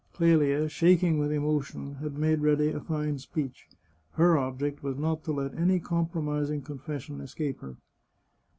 Clelia, shaking with emotion, had made ready a fine speech; her object was not to let any compromising confession escape her.